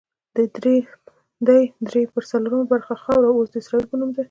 دې درې پر څلورمه برخه خاوره اوس د اسرائیل په نوم ده.